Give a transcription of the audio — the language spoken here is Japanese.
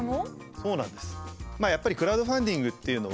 そうなんです。